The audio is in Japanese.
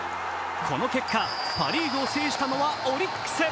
この結果、パ・リーグを制したのはオリックス。